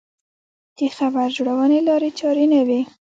د خبر جوړونې لارې چارې نه وې.